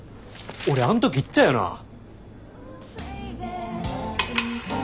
俺あん時言ったよな？